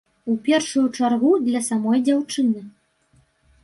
У першую чаргу, для самой дзяўчыны.